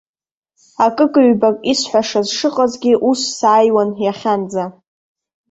Акык-ҩбак исҳәашаз шыҟазгьы ус сааиуан иахьанӡа.